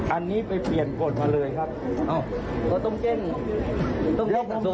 อันนี้ไปเปลี่ยนกฎมาเลยครับโอ้ต้องเต้นสมบัติ